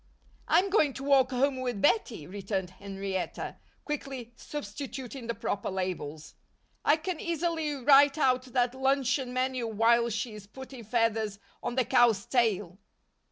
"I'm going to walk home with Bettie," returned Henrietta, quickly substituting the proper labels. "I can easily write out that luncheon menu while she's putting feathers on the cow's tail."